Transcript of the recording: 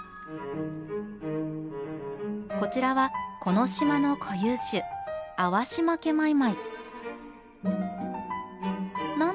こちらはこの島の固有種アワシマケマイマイ。